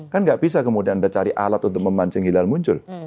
kan nggak bisa kemudian anda cari alat untuk memancing hilal muncul